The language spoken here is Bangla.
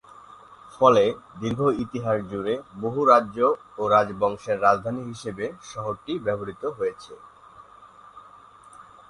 ফলে দীর্ঘ ইতিহাস জুড়ে বহু রাজ্য ও রাজবংশের রাজধানী হিসেবে শহরটি ব্যবহৃত হয়েছে।